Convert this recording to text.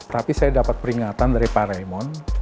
tapi saya dapat peringatan dari pak remon